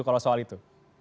kalau soal itu